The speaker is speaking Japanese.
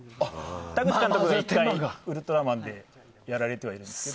田口監督が１回「ウルトラマン」でやられてはいるんですが。